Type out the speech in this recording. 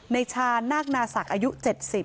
ในชานาคนาศักดิ์อายุ๑๒ปี